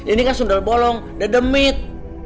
ini kan sundal bolong dedemit